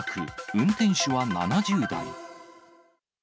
運転手は７０代。